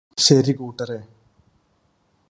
ശരി കൂട്ടരേ